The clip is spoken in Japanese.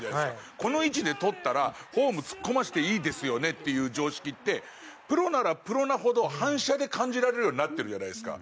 この位置で捕ったらホーム突っ込ませていいですよねっていう常識ってプロならプロなほど反射で感じられるようになってるじゃないですか。